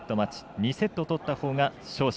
２セットとったほうが勝者。